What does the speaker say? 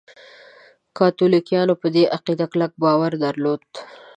کاتولیکانو په دې عقیده کلک باور درلود.